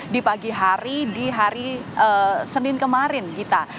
di pagi hari di hari senin kemarin gita